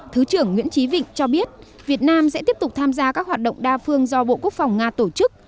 thứ trưởng nguyễn trí vịnh cho biết việt nam sẽ tiếp tục tham gia các hoạt động đa phương do bộ quốc phòng nga tổ chức